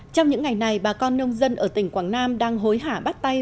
trong những ngày này bà con nông dân ở tỉnh quảng nam đang hối hả bắt tay